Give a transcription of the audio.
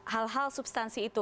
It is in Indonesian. hal hal substansi itu